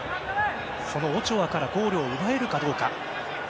そのオチョアからゴールを奪えるかどうか。